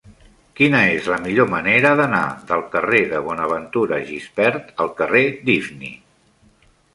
Quina és la millor manera d'anar del carrer de Bonaventura Gispert al carrer d'Ifni?